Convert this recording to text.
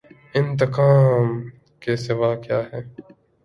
انتقام کے سوا کیا ہے۔